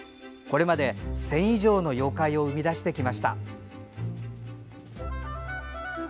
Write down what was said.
これまで、１０００以上の妖怪を生み出してきました。